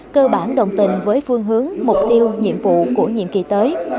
cơ bản đồng tình với phương hướng mục tiêu nhiệm vụ của nhiệm kỳ tới